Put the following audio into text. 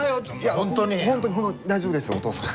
本当に本当に大丈夫ですお父さん。